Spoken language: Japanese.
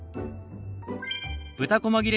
豚こま切れ